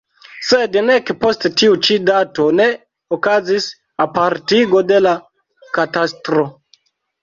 Sed nek post tiu ĉi dato ne okazis apartigo de la katastro.